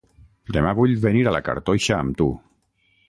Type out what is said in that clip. Demà vull venir a la cartoixa amb tu.